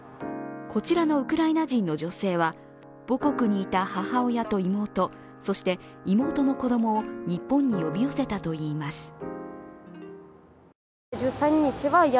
こちらのウクライナ人の女性は母国にいた母親と妹、そして妹の子供を日本に呼び寄せたといいます。